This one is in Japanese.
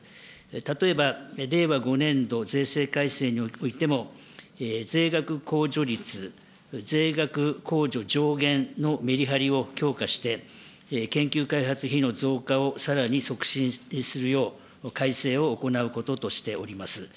例えば、令和５年度税制改正においても、税額控除率、税額控除上限のめりはりを強化して、研究開発費の増加をさらに促進するよう、改正を行うこととしております。